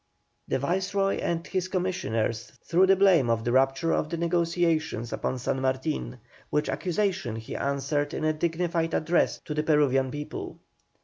The Viceroy and his commissioners threw the blame of the rupture of the negotiations upon San Martin, which accusation he answered in a dignified address to the Peruvian people.